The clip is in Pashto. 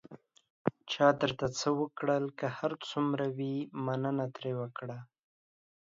چا درته څه وکړل، که هر څومره وي، مننه ترې وکړه.